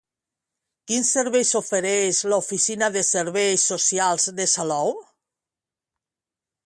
Quins serveis ofereix l'oficina de serveis socials de Salou?